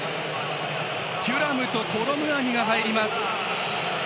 テュラムとコロムアニが入ります。